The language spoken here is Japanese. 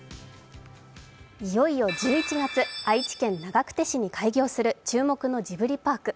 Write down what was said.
いよいよ１１月、愛知県長久手市に開業する注目のジブリパーク。